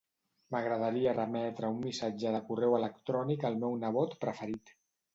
M'agradaria remetre un missatge de correu electrònic al meu nebot preferit.